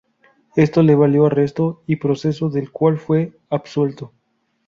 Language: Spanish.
Esto le valió arresto y proceso, del cual fue absuelto.